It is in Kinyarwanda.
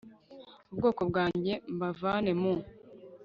ubwoko bwanjye mbavane mu